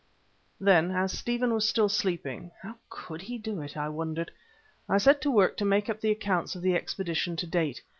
Then, as Stephen was still sleeping how could he do it, I wondered I set to work to make up the accounts of the expedition to date.